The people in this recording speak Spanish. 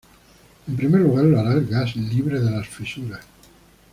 En primer lugar lo hará el gas libre de las fisuras.